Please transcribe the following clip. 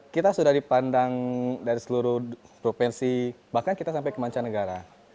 kita sudah dipandang dari seluruh provinsi bahkan kita sampai ke mancanegara